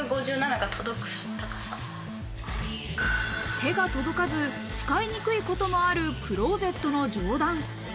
手が届かず、使いにくいこともあるクローゼットの上段。